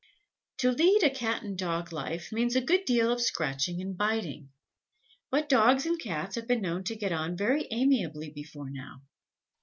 _ To lead a "Cat and Dog life" means a good deal of scratching and biting; but Dogs and Cats have been known to get on very amiably before now.